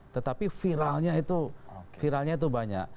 tetapi viralnya itu viralnya itu banyak